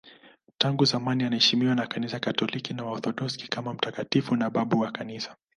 Tangu zamani anaheshimiwa na Kanisa Katoliki na Waorthodoksi kama mtakatifu na babu wa Kanisa.